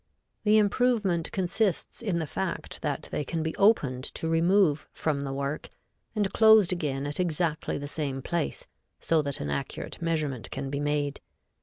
The improvement consists in the fact that they can be opened to remove from the work and closed again at exactly the same place, so that an accurate measurement can be made.